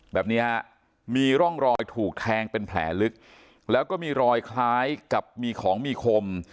แบบนี้ฮะมีร่องรอยถูกแทงเป็นแผลลึกแล้วก็มีรอยคล้ายกับมีของมีคม